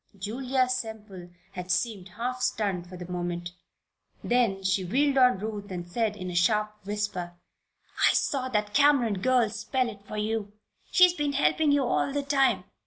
Julia Semple had seemed half stunned for the moment. Then she wheeled on Ruth and said, in a sharp whisper: "I saw that Cameron girl spell it for you! She's been helping you all the time!